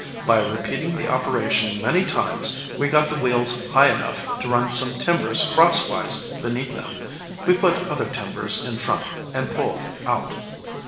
By repeating the operation many times we got the wheels high enough to run some timbers crosswise beneath them. We put other timbers in front and pulled out.